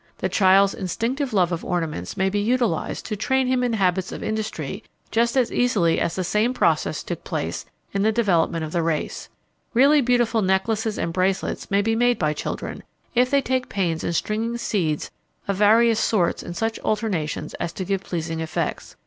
The child's instinctive love of ornaments may be utilized to train him in habits of industry just as easily as the same process took place in the development of the race. Really beautiful necklaces and bracelets may be made by children, if they take pains in stringing seeds of various sorts in such alternations as to give pleasing effects.